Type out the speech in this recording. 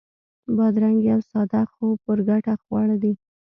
بادرنګ یو ساده خو پُرګټه خواړه دي.